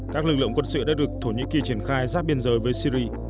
các lực lượng quân sự đã được thổ nhĩ kỳ triển khai giáp biên giới với syri